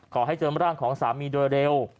ขอให้เจอร่างของสามีโดยเร็ว